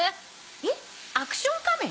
えっアクション仮面？